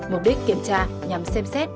mục đích kiểm tra nhằm xem xét